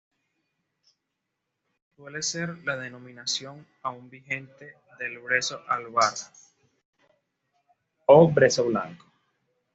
Suele ser la denominación aún vigente del brezo albar o brezo blanco.